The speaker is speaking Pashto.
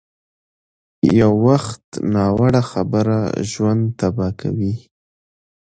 یو وخت ناوړه خبره ژوند تباه کوي.